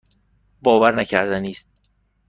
باورنکردنی است.